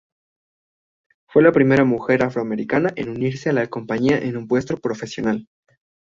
Fue la primera mujer afroamericana en unirse a la compañía en un puesto profesional.